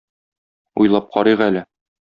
Уйлап карыйк әле.